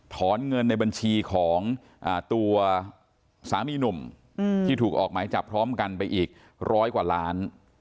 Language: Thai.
เงินในบัญชีของตัวสามีหนุ่มที่ถูกออกหมายจับพร้อมกันไปอีกร้อยกว่าล้าน